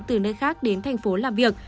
từ nơi khác đến thành phố làm việc